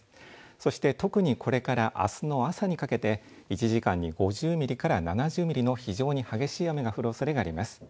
そして特にこれからあすの朝にかけて１時間に５０ミリから７０ミリの非常に激しい雨が降るおそれがあります。